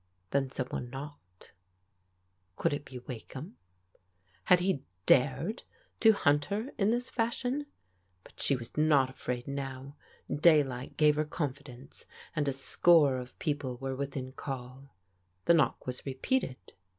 Then some one knocked. Could it be Wakeham? Had he dared to hunt her in this fashion? But she was not afraid now; daylight gave her confidence, and a score of people were within call. The knock was repeated.